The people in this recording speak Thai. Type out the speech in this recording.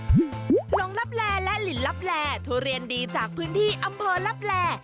หลงลับแลและลินลับแลทุเรียนดีจากพื้นที่อำเภอลับแล